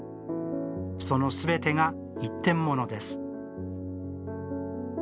そのすべてが一点物です。